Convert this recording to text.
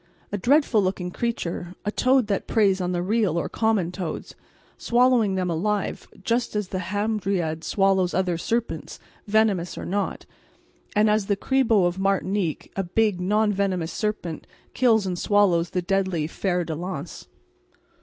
A dreadful looking creature, a toad that preys on the real or common toads, swallowing them alive just as the hamadryad swallows other serpents, venomous or not, and as the Cribo of Martinique, a big non venomous serpent, kills and swallows the deadly fer de lance.